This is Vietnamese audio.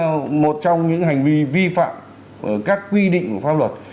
đây là một trong những hành vi vi phạm các quy định của pháp luật